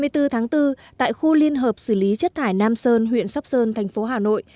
hai mươi bốn tháng bốn tại khu liên hợp xử lý chất thải nam sơn huyện sóc sơn thành phố hà nội